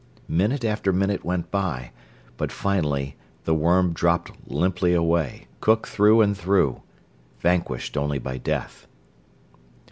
Minute after minute went by, but finally the worm dropped limply away cooked through and through; vanquished only by death.